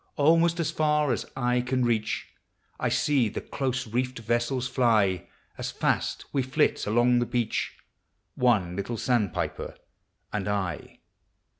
Almost as far as eye can reach I see the close reefed vessels fly, As fast we flit along the beach, — One little sandpiper and I.